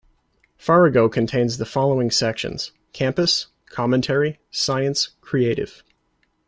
Farrago contains the following sections: Campus, Commentary, Science, Creative.